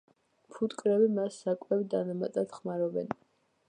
ფუტკრები მას საკვებ დანამატად ხმარობენ.